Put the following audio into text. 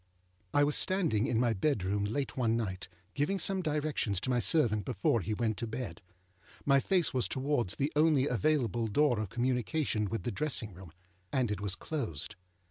I was standing in my bedroom late one night, giving some directions to my servant before he went to bed. My face was towards the only available door of communication with the dressing room, and it was closed.